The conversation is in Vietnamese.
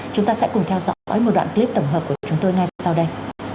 chúng ta sẽ cùng theo dõi một đoạn clip tổng hợp của chúng tôi ngay sau đây